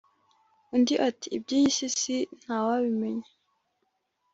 undi ati: iby’iyi si ntawabimenya